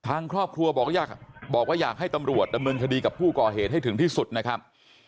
ทางครอบครัวบอกว่าอยากบอกว่าอยากให้ตำรวจดำเนินคดีกับผู้ก่อเหตุให้ถึงที่สุดนะครับ